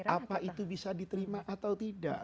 apa itu bisa diterima atau tidak